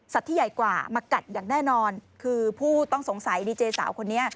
ที่ใหญ่กว่ามากัดอย่างแน่นอนคือผู้ต้องสงสัยดีเจสาวคนนี้